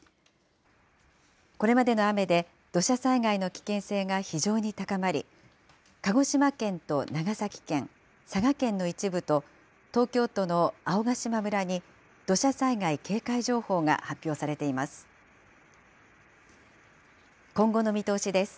これまでの雨で、土砂災害の危険性が非常に高まり、鹿児島県と長崎県、佐賀県の一部と東京都の青ヶ島村に土砂災害警戒情報が発表されています。